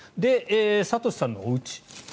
サトシさんのおうち